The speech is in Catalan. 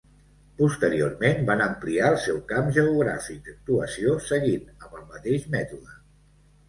Posteriorment van ampliar el seu camp geogràfic d'actuació, seguint amb el mateix mètode.